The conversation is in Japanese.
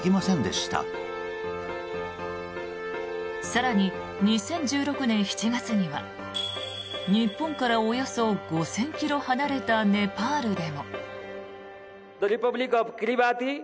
更に２０１６年７月には日本からおよそ５０００ｋｍ離れたネパールでも。